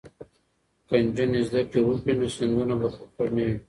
که نجونې زده کړې وکړي نو سیندونه به ککړ نه وي.